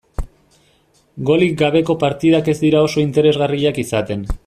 Golik gabeko partidak ez dira oso interesgarriak izaten.